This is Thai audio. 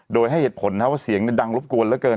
โดยให้เหตุผลนะว่าเสียงดังรบกวนเหลือเกิน